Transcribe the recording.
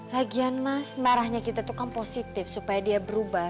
lagian mas merahnya kita tuh kan positif supaya dia berubah